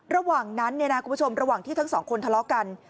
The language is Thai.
ระหว่างนั้นเนี่ยนะคุณผู้ชมระหว่างที่ทั้งสองคนทะเลาะกัน